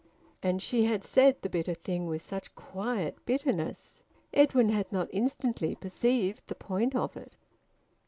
And she had said the bitter thing with such quiet bitterness! Edwin had not instantly perceived the point of it.